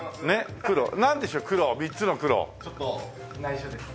ちょっと内緒です。